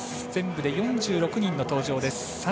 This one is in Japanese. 全部で４６人の登場です。